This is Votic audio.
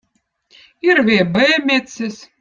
irvi eb õõ mettsez